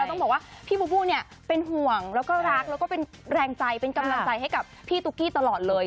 ต้องบอกว่าพี่บูบูเนี่ยเป็นห่วงแล้วก็รักแล้วก็เป็นแรงใจเป็นกำลังใจให้กับพี่ตุ๊กกี้ตลอดเลย